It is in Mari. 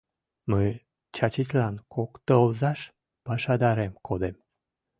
Мый Чачилан кок тылзаш пашадарем кодем.